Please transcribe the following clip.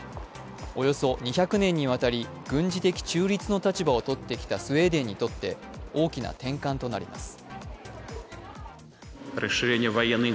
およそ２００年にわたり軍事的中立の立場をとってきたスウェーデンにとって大きな転換となります。